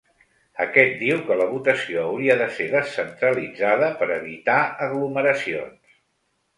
Aquest diu que la votació hauria de ser descentralitzada per evitar aglomeracions.